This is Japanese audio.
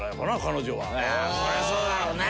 そりゃあそうだろうね。